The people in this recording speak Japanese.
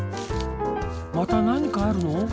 またなにかあるの？